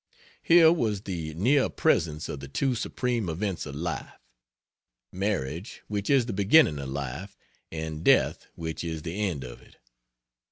Here was the near presence of the two supreme events of life: marriage, which is the beginning of life, and death which is the end of it.